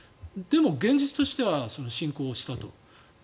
でも現実としては侵攻したと。